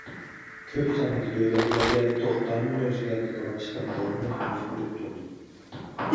كۆپ ساندىكى دۆلەتلەردە توختامىنى ئۆزگەرتىدىغان ئىشلار داۋاملىق يۈز بېرىپ تۇرىدۇ.